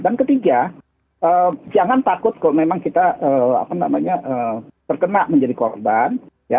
dan ketiga jangan takut kalau memang kita terkena menjadi korban